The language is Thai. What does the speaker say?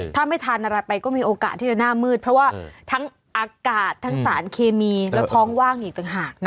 ถ้าไม่ทานอะไรไปก็มีโอกาสที่จะหน้ามืดเพราะว่าทั้งอากาศทั้งสารเคมีแล้วท้องว่างอีกต่างหาก